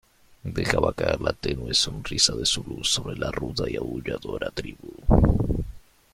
dejaba caer la tenue sonrisa de su luz sobre la ruda y aulladora tribu.